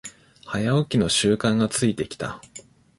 早起きの習慣がついてきた